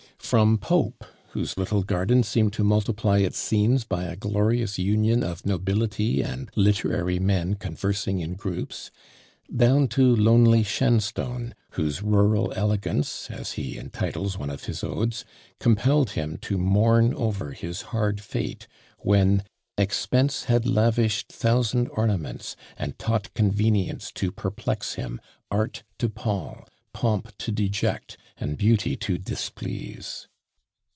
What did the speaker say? From Pope, whose little garden seemed to multiply its scenes by a glorious union of nobility and literary men conversing in groups; down to lonely Shenstone, whose "rural elegance," as he entitles one of his odes, compelled him to mourn over his hard fate, when EXPENSE Had lavish'd thousand ornaments, and taught CONVENIENCE to perplex him, ART to pall, POMP to deject, and BEAUTY to displease.